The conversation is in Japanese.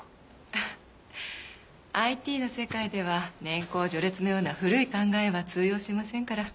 あっＩＴの世界では年功序列のような古い考えは通用しませんから。